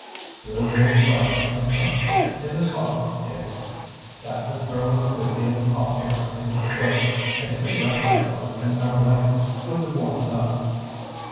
"We'll build a fire in front, in this hollow, Dick. That will throw a good deal of hot air into the place, and if we wrap ourselves in our blankets we'll be warm enough."